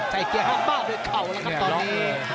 ใจเกียร์มาบด้วยเขาแล้วครับตอนนี้